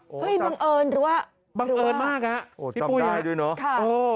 เฮ้ยบังเอิญหรือว่าบังเอิญมากนะพี่ปุ๊ยจำได้ด้วยเนอะ